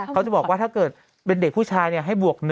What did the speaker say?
เขาจะบอกว่าถ้าเกิดเป็นเด็กผู้ชายให้บวก๑